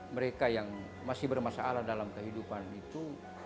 mereka yang masih bermasalah dalam kehidupan itu